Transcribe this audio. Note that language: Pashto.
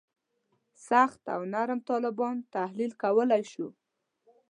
سخت او نرم طالبان تحلیل کولای شو.